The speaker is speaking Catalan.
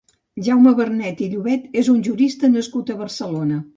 Jaume Vernet i Llobet és un jurista nascut a Barcelona.